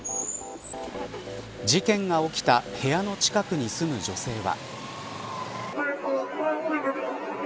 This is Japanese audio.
事件が起きた部屋の近くに住む女性は。